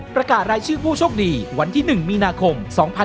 ประกาศรายชื่อผู้โชคดีวันที่๑มีนาคม๒๕๖๒